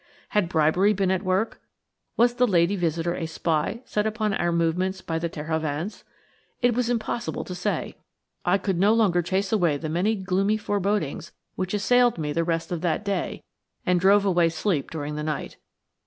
Had bribery been at work? Was the lady visitor a spy set upon our movements by the Terhovens? It was impossible to say. I could no longer chase away the many gloomy forebodings which assailed me the rest of that day and drove away sleep during the night.